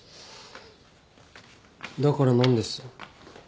だから何です？